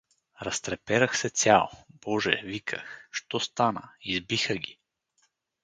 Разтреперах се цял; боже, виках, що стана, избиха ги!